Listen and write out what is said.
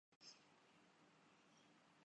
پی C B نے احمد شہزاد کو show cause notice جاری کردیا